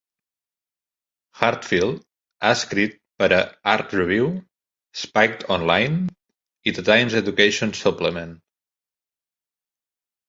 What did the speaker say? Heartfield ha escrit per a "Art Review", Spiked Online i "The Times Education Supplement".